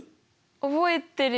覚えてるよ